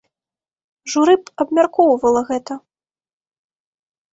Журы б абмяркоўвала гэта.